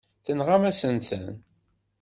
Tenɣamt-asen-ten.